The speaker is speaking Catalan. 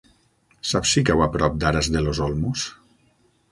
Saps si cau a prop d'Aras de los Olmos?